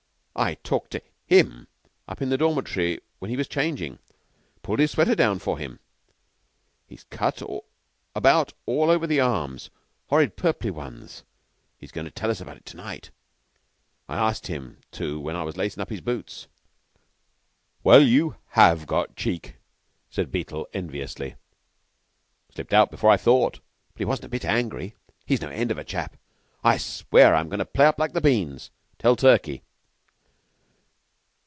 "I talked to him up in the dormitory when he was changin'. Pulled his sweater down for him. He's cut about all over the arms horrid purply ones. He's goin' to tell us about it to night. I asked him to when I was lacin' his boots." "Well, you have got cheek," said Beetle, enviously. "Slipped out before I thought. But he wasn't a bit angry. He's no end of a chap. I swear, I'm goin' to play up like beans. Tell Turkey!"